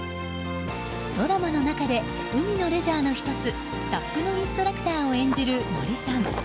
ドラマの中で海のレジャーの１つ、ＳＵＰのインストラクターを演じる森さん。